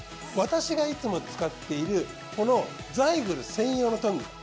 私がいつも使っているこのザイグル専用のトング。